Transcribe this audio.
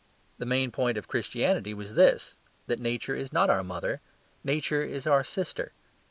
The main point of Christianity was this: that Nature is not our mother: Nature is our sister.